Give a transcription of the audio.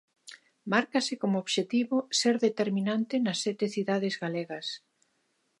Márcase como obxectivo ser determinante nas sete cidades galegas.